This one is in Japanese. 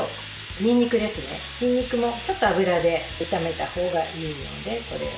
にんにくも、ちょっと油で炒めたほうがいいので。